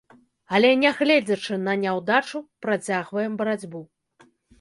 Але нягледзячы на няўдачу, працягваем барацьбу.